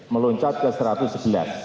meluncat ke satu ratus sebelas